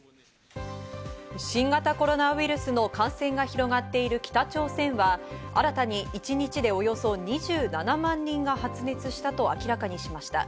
新型コロナウイルスの感染が広がっている北朝鮮は新たに一日でおよそ２７万人が発熱したと明らかにしました。